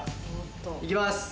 行きます。